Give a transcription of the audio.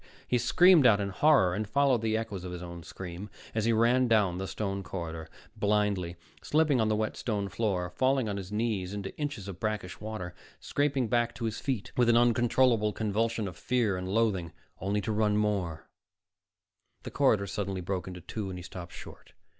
_ He screamed out in horror, and followed the echoes of his own scream as he ran down the stone corridor, blindly, slipping on the wet stone floor, falling on his knees into inches of brackish water, scraping back to his feet with an uncontrollable convulsion of fear and loathing, only to run more The corridor suddenly broke into two and he stopped short.